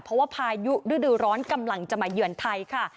เพราะว่าพายุฤดูร้อนกำลังจะมาเยือนไทยค่ะ